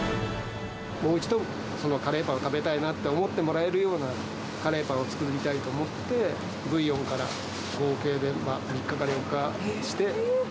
もう一度、そのカレーパンを食べたいなと思ってもらえるようなカレーパンを作りたいと思って、ブイヨンから合計で３日から４日して。